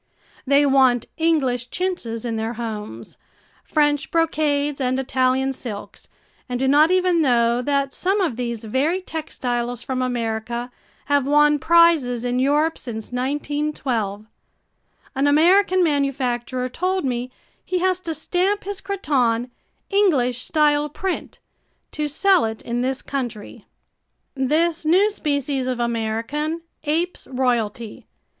They want English chintzes in their homes, French brocades and Italian silks and do not even know that some of these very textiles from America have won prizes in Europe since 1912. An American manufacturer told me he has to stamp his cretonne "English style print" to sell it in this country. This new species of American apes royalty.